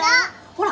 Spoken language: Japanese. ほら。